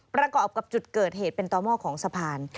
ประกอบกับจุดเกิดเหตุเป็นต่อหม้อของสะพาน